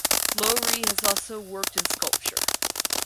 Lowrey has also worked in sculpture.